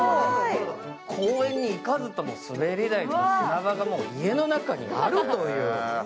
公園に行かずとも滑り台と砂場がもう家の中にあるという。